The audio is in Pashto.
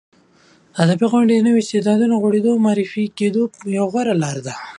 ادبي غونډې د نویو استعدادونو د غوړېدو او معرفي کېدو یوه غوره لاره ده.